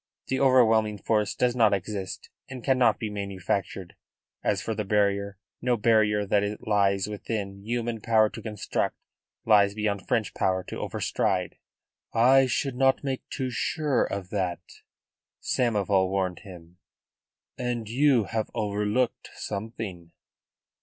The overwhelming force does not exist and cannot be manufactured; as for the barrier, no barrier that it lies within human power to construct lies beyond French power to over stride." "I should not make too sure of that," Samoval warned him. "And you have overlooked something."